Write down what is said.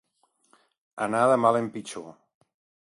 Anar de mal en pitjor.